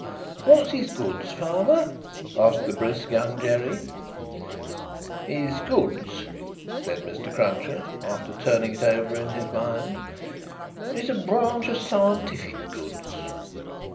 "What's his goods, father?" asked the brisk Young Jerry. "His goods," said Mr. Cruncher, after turning it over in his mind, "is a branch of Scientific goods."